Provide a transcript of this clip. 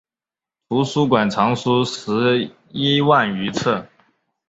图书馆藏书十一万余册。